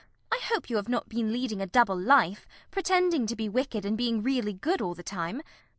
I hope you have not been leading a double life, pretending to be wicked and being really good all the time.